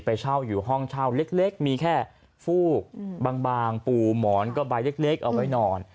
เช่าอยู่ห้องเช่าเล็กมีแค่ฟูกบางปูหมอนก็ใบเล็กเอาไว้นอน